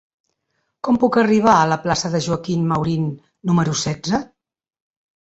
Com puc arribar a la plaça de Joaquín Maurín número setze?